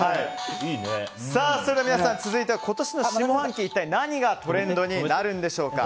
それでは皆さん、今年の下半期一体何がトレンドになるんでしょうか。